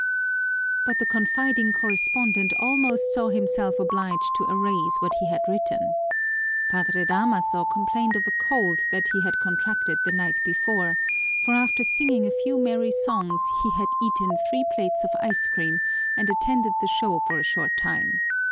But the confiding correspondent almost saw himself obliged to erase what he had written. Padre Damaso complained of a cold that he had contracted the night before, for after singing a few merry songs he had eaten three plates of ice cream and attended the show for a short time.